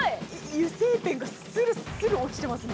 油性ペンがスルスル落ちてますね。